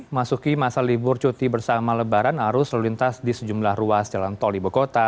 masuki masa libur cuti bersama lebaran arus lelintas di sejumlah ruas jalan tol di bukota